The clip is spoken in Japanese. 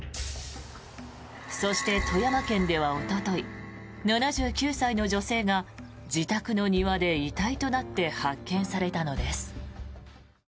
そして、富山県ではおととい、７９歳の女性が自宅の庭で遺体となって発見されたのです。